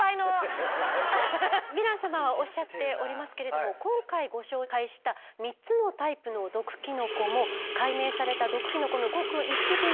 ヴィラン様はおっしゃっておりますけれども今回ご紹介した３つのタイプの毒キノコも解明された毒キノコのごく一部にすぎません。